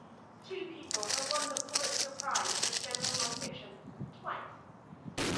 Two people have won the Pulitzer Prize for General Nonfiction twice.